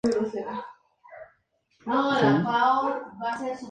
La marca está representada por Chuck E. Cheese, un ratón antropomórfico.